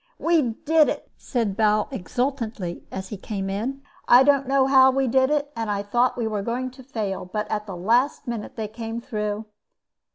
"We did it," said Bal exultantly as he came in. "I don't know how we did it and I thought we were going to fail but at the last minute they came through."